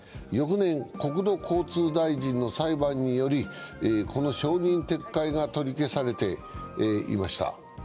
国土交通大臣の裁決により承認撤回が取り消されていました。